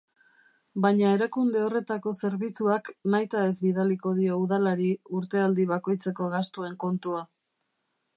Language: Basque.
Baina erakunde horretako zerbitzuak nahitaez bidaliko dio Udalari urtealdi bakoitzeko gastuen kontua.